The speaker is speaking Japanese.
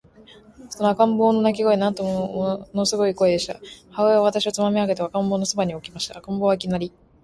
その赤ん坊の泣声は、なんとももの凄い声でした。母親は私をつまみ上げて、赤ん坊の傍に置きました。赤ん坊は、いきなり、